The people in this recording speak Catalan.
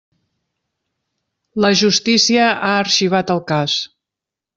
La justícia ha arxivat el cas.